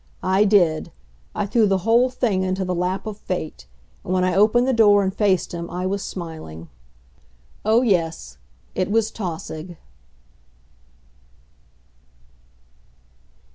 I did. I threw the whole thing into the lap of Fate. And when I opened the door and faced him I was smiling. Oh, yes, it was Tausig.